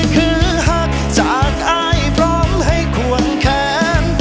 คือหักจากอายพร้อมให้ควงแขน